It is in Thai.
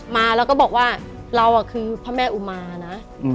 มาแล้วก็บอกว่าเราคือพระแม่อุมานะ